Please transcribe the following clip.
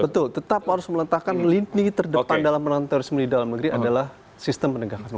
betul tetap harus meletakkan lini terdepan dalam penanganan terorisme di dalam negeri adalah sistem penegakan hukum